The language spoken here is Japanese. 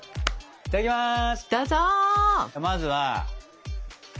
いただきます。